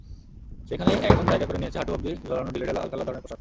সেখানে এখন জায়গা করে নিয়েছে হাঁটু অবধি ঝোলানো, ঢিলেঢালা আলখাল্লা ধরনের পোশাক।